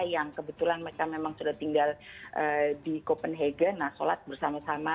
yang kebetulan memang sudah tinggal di copenhagen nah sholat bersama sama